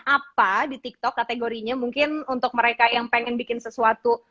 apa di tiktok kategorinya mungkin untuk mereka yang pengen bikin sesuatu